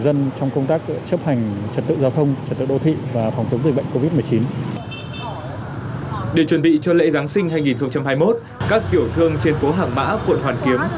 để chuẩn bị cho lễ giáng sinh hai nghìn hai mươi một các tiểu thương trên phố hàng mã quận hoàn kiếm